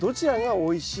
おいしい？